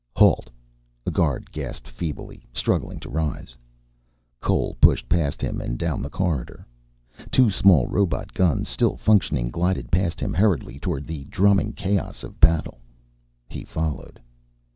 "Halt," a guard gasped feebly, struggling to rise. Cole pushed past him and down the corridor. Two small robot guns, still functioning, glided past him hurriedly toward the drumming chaos of battle. He followed.